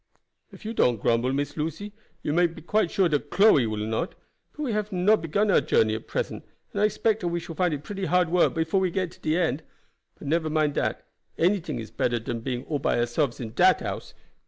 "If you don't grumble, Miss Lucy, you may be quite sure dat Chloe will not. But we hab not begun our journey at present; and I spec dat we shall find it pretty hard work before we get to de end. But neber mind dat; anyting is better dan being all by ourselves in dat house.